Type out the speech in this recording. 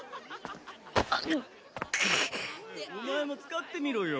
お前も使ってみろよ。